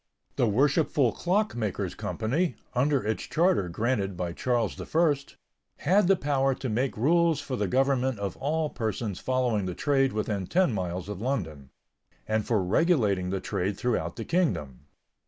The Worshipful Clock makers' Company, under its charter granted by Charles I, had the power to make rules for the government of all persons following the trade within ten miles of London, and for regulating the trade throughout the kingdom.